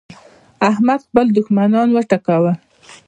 احمد خپل دوښمنان وټکول.